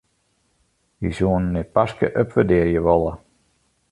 Wy soenen it paske opwurdearje wolle.